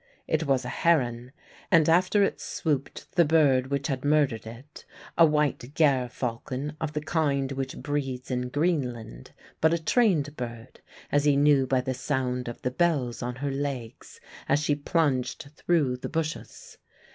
It was a heron, and after it swooped the bird which had murdered it; a white ger falcon of the kind which breeds in Greenland, but a trained bird, as he knew by the sound of the bells on her legs as she plunged through the bushes.